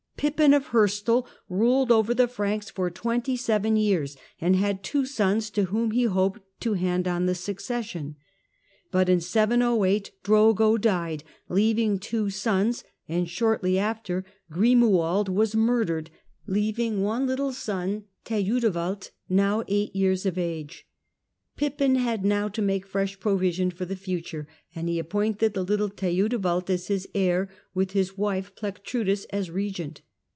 Pippin of Heristal ruled over the Franks for twenty seven years, and had two sons to whom he hoped tc hand on the succession. But in 708 Drogo died, leaving two sons, and shortly after, Grimoald was murdered, leaving one little son Theudwald, now eight years of age. Pippin had now to make fresh provision for the future, and he appointed the little Theudwald as heir, with his own wife Plectrudis as regent.